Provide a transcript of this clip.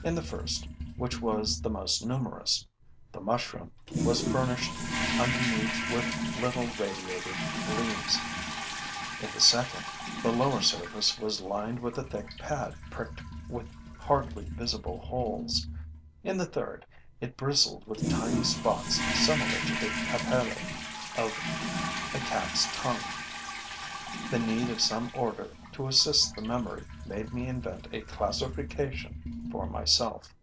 In the first, which was the most numerous, the mushroom was furnished underneath with little radiating leaves. In the second, the lower surface was lined with a thick pad pricked with hardly visible holes. In the third, it bristled with tiny spots similar to the papillae on a cat's tongue. The need of some order to assist the memory made me invent a classification for myself.